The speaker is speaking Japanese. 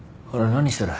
何してる？